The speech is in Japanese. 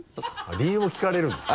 理由も聞かれるんですか？